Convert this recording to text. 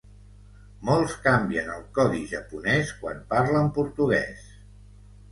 Molts canvien al codi japonès quan parlen portuguès.